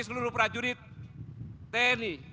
seluruh prajurit tni